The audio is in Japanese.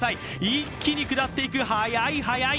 一気に下っていく、速い速い。